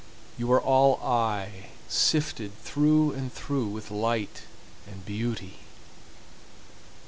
You are all eye, sifted through and through with light and beauty.